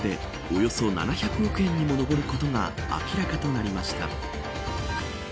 およそ７００億円にも上ることが明らかとなりました。